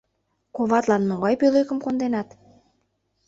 Коватлан могай пӧлекым конденат?